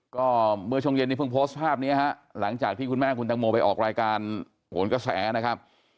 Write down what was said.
ก็เมื่อช่วงเย็นนี้เพิ่งโพสต์ภาพนี้ฮะหลังจากที่คุณแม่คุณตังโมไปออกรายการโหนกระแสนะครับ